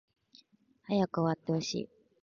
早く終わってほしい